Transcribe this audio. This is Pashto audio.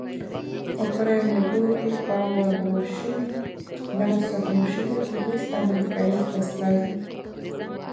داوکرایین له لوري په وربلل شوې دغه سرمشریزه کې هیڅ امریکایي استازی